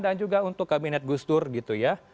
dan juga untuk kabinet gustur gitu ya